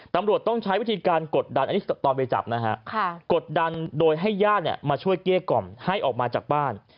ตำรวจต้องใช้วิธีการกดดันอันนี้ตอนไปจับนะฮะกดดันโดยให้ญาติมาช่วยเกลี้ยกล่อมให้ออกมาจากบ้าน